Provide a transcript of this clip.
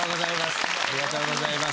ありがとうございます。